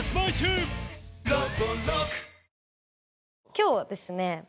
今日はですね